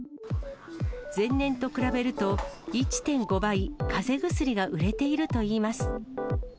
前年と比べると、１．５倍、かぜ薬が売れているといいます。